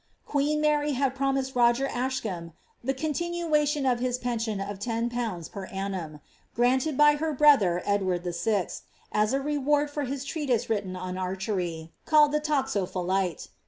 Queen Mary had promised Roger Ascham the continuation of his pension of 10/. per annum, granted by her brother Edward VI., as a reward for his Ireatise written on archery, called the Toxophilite.